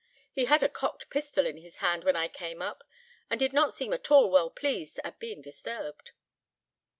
He had a cocked pistol in his hand when I came up, and did not seem at all well pleased at being disturbed."